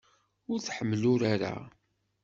Ur tḥemmel urar-a.